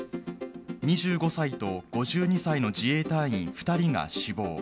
２５歳と５２歳の自衛隊員２人が死亡。